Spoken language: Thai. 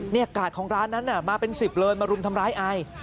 กาดของร้านนั้นมาเป็น๑๐เลยมารุมทำร้ายอาย